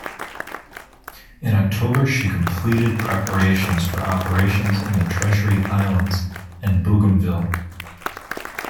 In October, she completed preparations for operations in the Treasury Islands and Bougainville.